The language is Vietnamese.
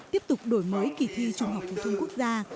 tiếp tục đổi mới kỳ thi trung học phổ thông quốc gia